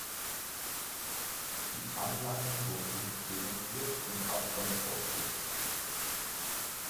Die Anlagen wurden demontiert und abtransportiert.